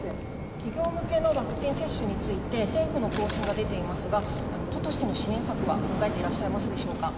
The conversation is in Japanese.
企業向けのワクチン接種について、政府の方針が出ていますが、都としての支援策は考えてらっしゃるでしょうか。